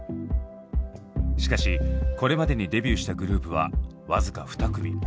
しかしこれまでにデビューしたグループは僅か２組。